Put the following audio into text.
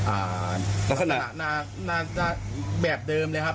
อ่าลักษณะน่าจะแบบเดิมเลยครับ